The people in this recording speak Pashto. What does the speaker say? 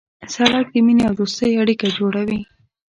سړک د مینې او دوستۍ اړیکه جوړوي.